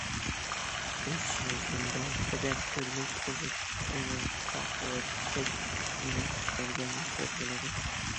ئۆسۈش مەزگىلىدە بەدەن تۈرلۈك ئوزۇقلۇق ئېلېمېنتىغا، قۇۋۋەتلىك يېمەكلىكلەرگە موھتاج بولىدۇ.